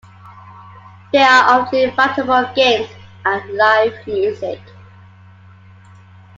There are often inflatable games and live music.